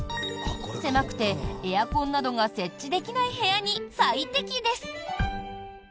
狭くてエアコンなどが設置できない部屋に最適です。